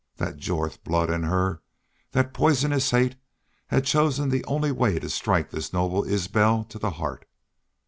That Jorth blood in her that poisonous hate had chosen the only way to strike this noble Isbel to the heart.